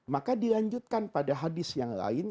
maka dilanjutkan pada hadis yang lain